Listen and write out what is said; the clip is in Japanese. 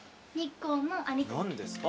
何ですか？